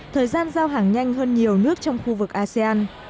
thời gian giao hàng nhanh hơn nhiều nước trong khu vực asean